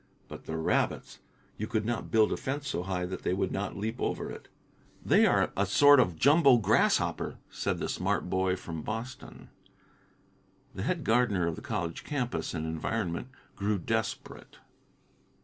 But the rabbits! You could not build a fence so high that they would not leap over it. "They are a sort of Jumbo grasshopper," said the smart boy from Boston. The head gardener of the college campus and environment grew desperate.